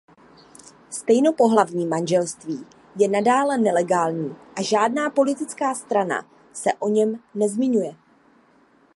Stejnopohlavní manželství je nadále nelegální a žádná politická strana se o něm nezmiňuje.